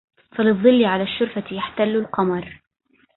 فالظل على الشرفة يحتل القمرْ